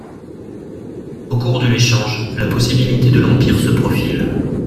Au cours de l'échange, la possibilité de l'Empire se profile...